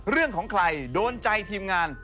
เรื่องของใครโดนใจทีมงาน